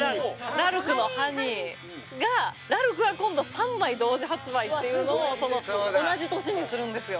ラルクの「ＨＯＮＥＹ」がラルクは今度３枚同時発売っていうのをその同じ年にするんですよ